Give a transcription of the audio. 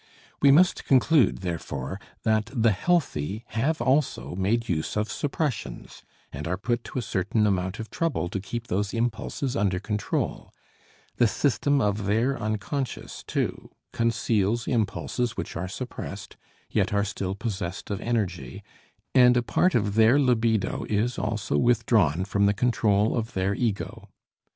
We must conclude, therefore, that the healthy have also made use of suppressions and are put to a certain amount of trouble to keep those impulses under control; the system of their unconscious, too, conceals impulses which are suppressed, yet are still possessed of energy, and a part of their libido is also withdrawn from the control of their ego.